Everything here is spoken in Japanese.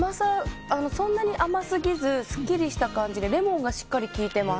そんなに甘過ぎずすっきりした感じでレモンがしっかり効いています。